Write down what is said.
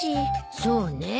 そうね。